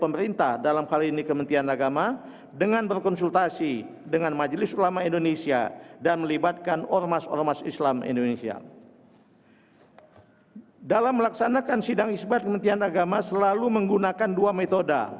benar benar dan tetapdepat